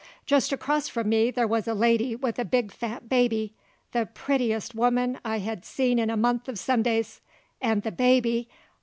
Jest across frum me there wuz a lady with a big, fat baby, the pruttiest woman I hed seen in a month uv Sundays; and the baby!